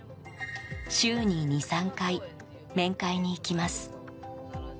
週に２３回、面会に行きます。